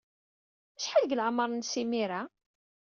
Acḥal deg leɛmeṛ-nnes imir-a?